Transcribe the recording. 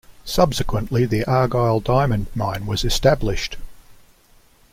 Subsequently the Argyle diamond mine was established.